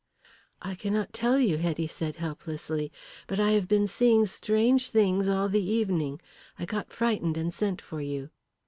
"I cannot tell you," Hetty said helplessly. "But I have been seeing strange things all the evening. I got frightened and sent for you."